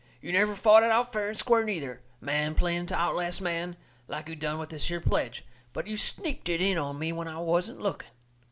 You never fought it out fair and square, neither, man playing to outlast man, like you done with this here pledge, but you sneaked it in on me when I wasn't looking."